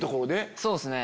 そうっすね。